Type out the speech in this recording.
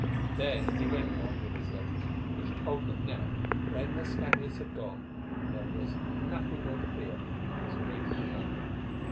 Then he went on with his letters, which told that now, when the Spaniards had gone, and there was nothing more to fear, he was awaited in London.